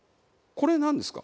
これなんですか？